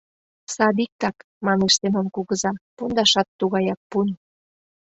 — Садиктак, — манеш Семон кугыза, — пондашат тугаяк пун.